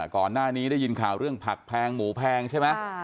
ก่อนหน้านี้ได้ยินข่าวเรื่องผักแพงหมูแพงใช่ไหม